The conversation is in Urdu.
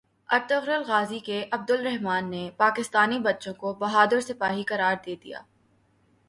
ارطغرل غازی کے عبدالرحمن نے پاکستانی بچوں کو بہادر سپاہی قرار دے دیا